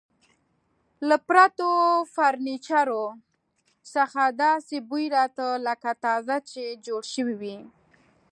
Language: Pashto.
له پرتو فرنیچرو څخه داسې بوی راته، لکه تازه چې جوړ شوي وي.